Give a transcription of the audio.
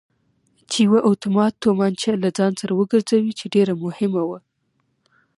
چې یوه اتومات تومانچه له ځان سر وګرځوي چې ډېره مهمه وه.